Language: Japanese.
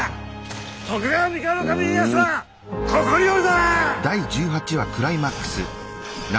徳川三河守家康はここにおるぞ！